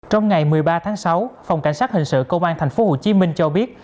trong ngày một mươi ba tháng sáu phòng cảnh sát hình sự công an tp hcm cho biết